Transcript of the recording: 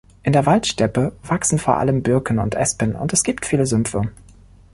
In der Waldsteppe wachsen vor allem Birken und Espen und es gibt viele Sümpfe.